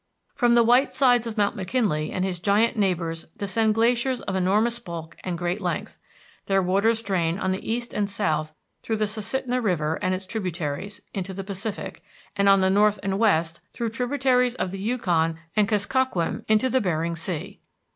From the white sides of McKinley and his giant neighbors descend glaciers of enormous bulk and great length. Their waters drain on the east and south, through the Susitna River and its tributaries, into the Pacific; and on the north and west, through tributaries of the Yukon and Kuskokwim, into Bering Sea.